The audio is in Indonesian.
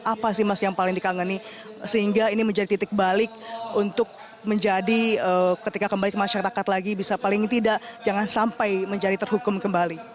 apa sih mas yang paling dikangeni sehingga ini menjadi titik balik untuk menjadi ketika kembali ke masyarakat lagi bisa paling tidak jangan sampai menjadi terhukum kembali